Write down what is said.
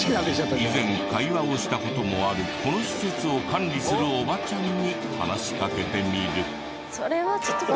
以前会話をした事もあるこの施設を管理するおばちゃんに話しかけてみる。